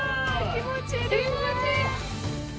気持ちいい！